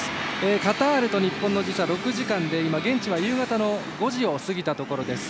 カタールと日本の時差は６時間で現地は夕方の５時を過ぎたところです。